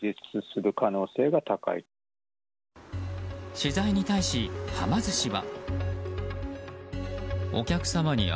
取材に対し、はま寿司は。